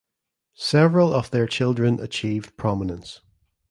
Several of their children achieved prominence.